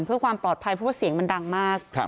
เพื่อความปลอดภัยเพราะว่าเสียงมันดังมาก